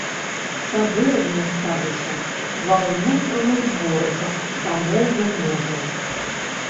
Сады размяшчалі ва ўнутраных дворыках дамоў вяльможаў.